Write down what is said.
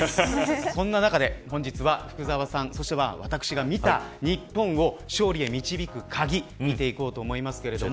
そんな中で本日は福澤さん、そして私が見た日本を勝利へ導く鍵見ていこうと思います。